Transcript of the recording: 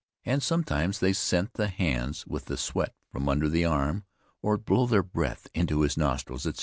And sometimes they scent the hands with the sweat from under the arm, or blow their breath into his nostrils, etc.